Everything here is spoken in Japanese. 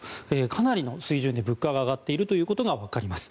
かなりの水準で物価が上がっているということがわかります。